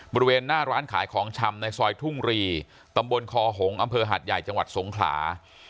บริเวณหน้าร้านขายของชำในซอยทุ่งรีตำบลคอหงษ์อำเภอหาดใหญ่จังหวัดสงขลา